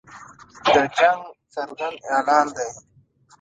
د جنګ څرګند اعلان دی.